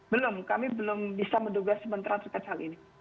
belum kami belum bisa menduga sementara terkait hal ini